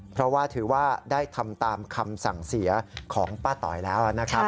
เพราะว่าถือว่าได้ทำตามคำสั่งเสียของป้าต๋อยแล้วนะครับ